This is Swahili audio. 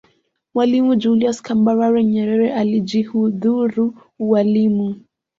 mwalimu julius kambarage nyerere alijihudhuru ualimu